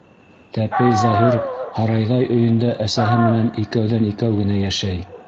Тәпей Заһир һарайҙай өйөндә әсәһе менән икәүҙән-икәү генә йәшәй.